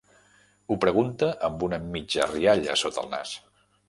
Ho pregunta amb una mitja rialla sota el nas.